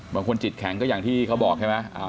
บางคนจิตแข็งก็อย่างที่เขาบอกใช่ไหม